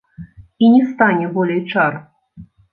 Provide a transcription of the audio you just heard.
І не стане болей чар.